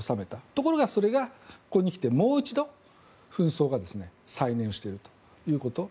ところがこれがここに来てもう一度紛争が再燃しているということ。